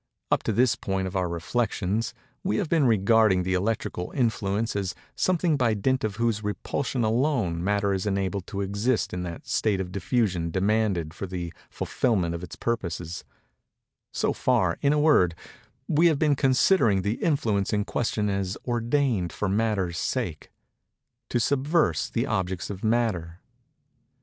Up to this point of our reflections, we have been regarding the electrical influence as a something by dint of whose repulsion alone Matter is enabled to exist in that state of diffusion demanded for the fulfilment of its purposes:—so far, in a word, we have been considering the influence in question as ordained for Matter's sake—to subserve the objects of matter.